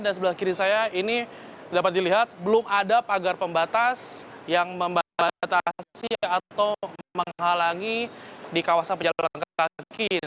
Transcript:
dan sebelah kiri saya ini dapat dilihat belum ada pagar pembatas yang membatasi atau menghalangi di kawasan penjalan kaki